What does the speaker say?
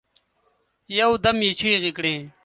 یو دم یې چیغي کړې